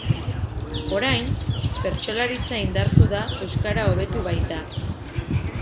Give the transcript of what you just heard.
Orain, bertsolaritza indartu da euskara hobetu baita.